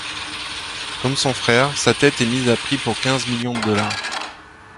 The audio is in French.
Comme son frère, sa tête est mise à prix pour quinze millions de dollars.